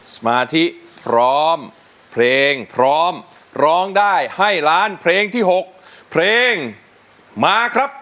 สมาธิพร้อมเพลงพร้อมร้องได้ให้ล้านเพลงที่๖เพลงมาครับ